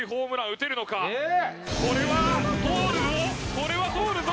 これは通るぞ。